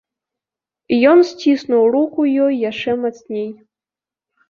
Ён сціснуў руку ёй яшчэ мацней.